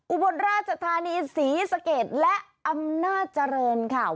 อุบลราชธานีศรีสะเกดและอำนาจเจริญค่ะ